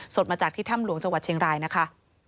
สดมาจากที่ถ้ำหลวงจังหวัดเชียงรายนะคะ